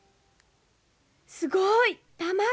すごい卵！